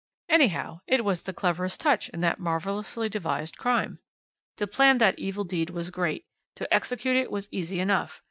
"Anyhow, it was the cleverest touch in that marvellously devised crime. To plan that evil deed was great, to execute it was easy enough.